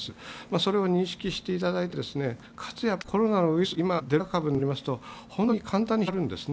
それを認識していただいてかつ、コロナウイルスは今のデルタ株になると本当に簡単に広がるんですね。